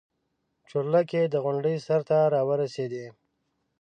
چورلکې د غونډۍ سر ته راورسېدې.